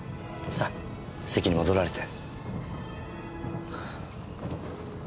さあ席に戻られて。